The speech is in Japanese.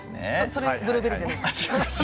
それブルーベリーじゃないです。